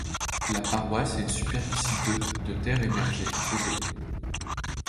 La paroisse a une superficie de de terre émergée et d’eau.